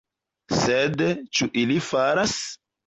Sed ĉu ili faras?